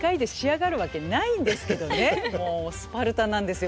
もうスパルタなんですよ